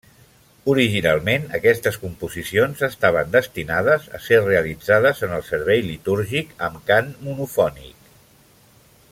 Originalment, aquestes composicions estaven destinades a ser realitzades en el servei litúrgic, amb cant monofònic.